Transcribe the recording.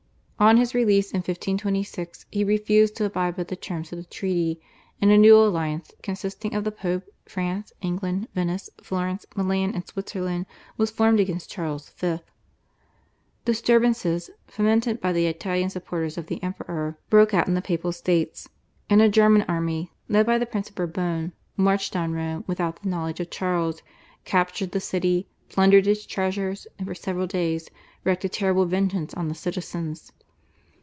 On his release in 1526 he refused to abide by the terms of the Treaty, and a new alliance, consisting of the Pope, France, England, Venice, Florence, Milan, and Switzerland was formed against Charles V. Disturbances, fomented by the Italian supporters of the Emperor, broke out in the Papal States, and a German army led by the Prince of Bourbon marched on Rome without the knowledge of Charles, captured the city, plundered its treasures, and for several days wreaked a terrible vengeance on the citizens.